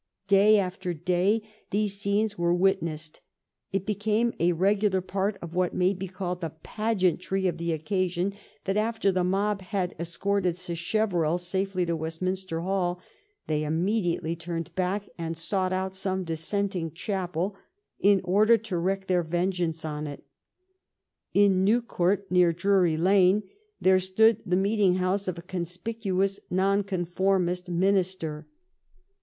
Day after day these scenes were witnessed. It became a regular part of what may be called the pageantry of the occasion that, after the mob had escorted Sachev erell safely to Westminster Hall, they immediately turned back and sought out some dissenting chapel, in order to wreak their vengeance on it. In New Court, near Drury Lane, there stood the meeting house of a conspicuous nonconformist minister.